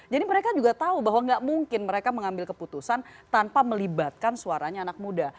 jadi mereka juga tahu bahwa gak mungkin mereka mengambil keputusan tanpa melibatkan suaranya anak muda